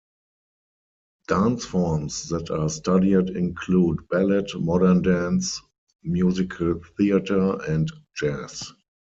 Dance forms that are studied include ballet, modern dance, musical theater and jazz.